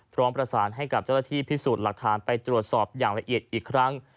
พร้อมประสานให้กับเจ้าหน้าที่พิสูจน์หลักฐานไปตรวจสอบอย่างละเอียดอีกครั้ง